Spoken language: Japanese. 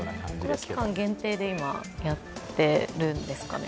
これは期間限定でやっているんですかね？